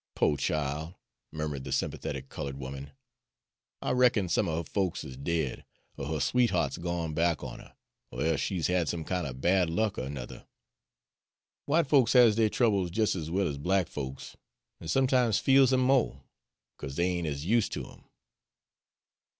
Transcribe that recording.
"Po' chile," murmured the sympathetic colored woman, "I reckon some er her folks is dead, er her sweetheart 's gone back on her, er e'se she's had some kin' er bad luck er 'nuther. W'ite folks has deir troubles jes' ez well ez black folks, an' sometimes feels 'em mo', 'cause dey ain't ez use' ter 'em."